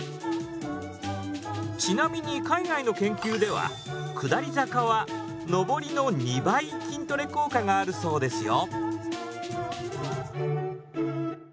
ちなみに海外の研究では下り坂は上りの２倍筋トレ効果があるそうですよ。